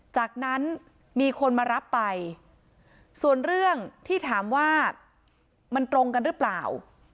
จากนั้นมีคนมารับไปส่วนเรื่องที่ถามว่ามันตรงกันหรือเปล่า